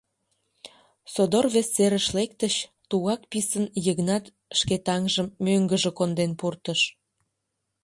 Содор вес серыш лектыч, тугак писын Йыгнат шке таҥжым мӧҥгыжӧ конден пуртыш.